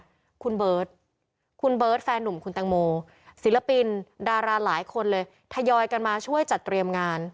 คุณเบิร์ตคุณเบิร์ตแฟนหนุ่มคุณแตงโมศิลปินดาราหลายคนเลยทยอยกันมาช่วยจัดเตรียมงาน